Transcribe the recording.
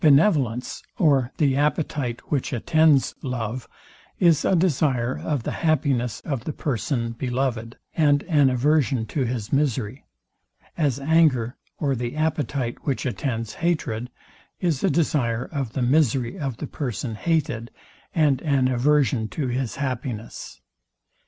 Benevolence or the appetite, which attends love, is a desire of the happiness of the person beloved, and an aversion to his misery; as anger or the appetite, which attends hatred, is a desire of the misery of the person hated, and an aversion to his happiness.